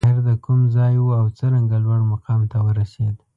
طاهر د کوم ځای و او څرنګه لوړ مقام ته ورسېد؟